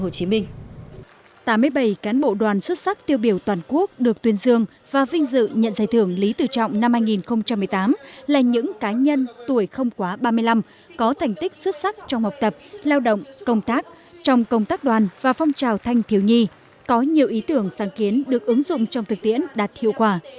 các tiêu biểu toàn quốc được tuyên dương và vinh dự nhận giải thưởng lý tử trọng năm hai nghìn một mươi tám là những cá nhân tuổi không quá ba mươi năm có thành tích xuất sắc trong học tập lao động công tác trong công tác đoàn và phong trào thanh thiếu nhi có nhiều ý tưởng sáng kiến được ứng dụng trong thực tiễn đạt hiệu quả